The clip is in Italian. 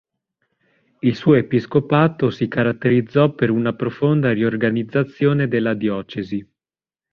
Il suo episcopato si caratterizzò per una profonda riorganizzazione della diocesi.